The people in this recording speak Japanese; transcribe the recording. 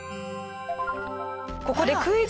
ここでクイズ。